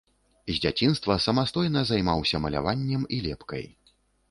З дзяцінства самастойна займаўся маляваннем і лепкай.